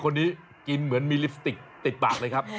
คนนี้กินเหมือนมีลิปสติกติดปากเลยครับ